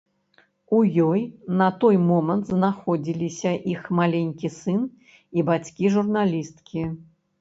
У ёй на той момант знаходзіліся іх маленькі сын і бацькі журналісткі.